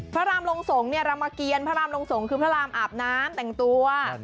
พระรามลงสงฆ์เนี่ยรามเกียรพระรามลงสงฆ์คือพระรามอาบน้ำแต่งตัว